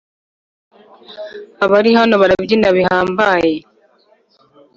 abari hano barabyina bihambaye